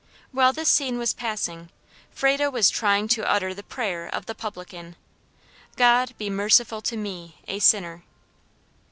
While this scene was passing, Frado was trying to utter the prayer of the publican, "God be merciful to me a sinner."